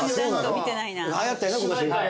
はやったよね今年。